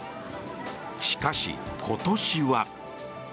しかし、今年は。